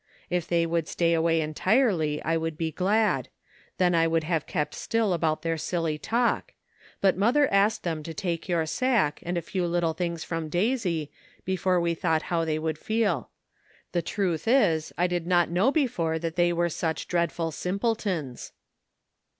If they would stay away entirely, I would be glad; then I would have kept still about their silly talk ; but mother asked them to take your sack, and a few little things from Daisy, before we thought how they would feel. The truth is, I did not know before that they were such dreadful simpletons."